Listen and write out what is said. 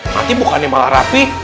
nanti bukannya malah rapi